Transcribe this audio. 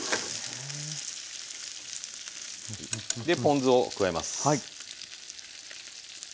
でポン酢を加えます。